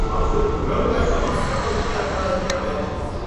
O meu pai toma sitagliptina para a diabetes